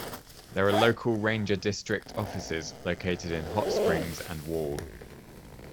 There are local ranger district offices located in Hot Springs and Wall.